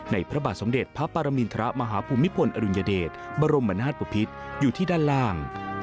พระบาทสมเด็จพระปรมินทรมาฮภูมิพลอดุลยเดชบรมนาศปภิษอยู่ที่ด้านล่าง